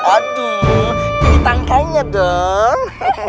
aduh ditangkanya dong